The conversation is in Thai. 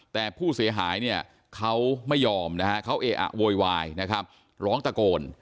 แต่ผู้เสียหายเขาไม่ยอมเขาเอะอะเยอะอยร้องตะโกล